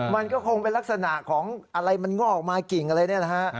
มันก็คงเป็นลักษณะของอะไรมันงอกออกมากิ่งอะไรเนี่ยนะฮะ